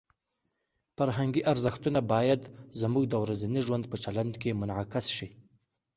فرهنګي ارزښتونه باید زموږ د ورځني ژوند په چلند کې منعکس شي.